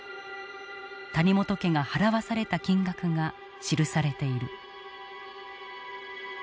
谷本家が払わされた金額が記されている。